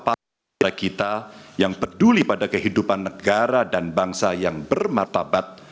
bangsa kita yang peduli pada kehidupan negara dan bangsa yang bermartabat